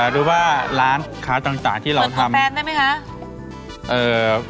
ดูว่าร้านค้าต่างที่เราทำเปิดกุฟแฟนได้ไหมคะ